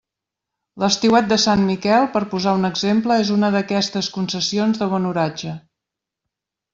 L'estiuet de Sant Miquel, per posar un exemple, és una d'aquestes concessions de bon oratge.